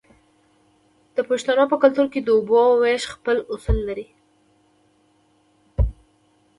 د پښتنو په کلتور کې د اوبو ویش خپل اصول لري.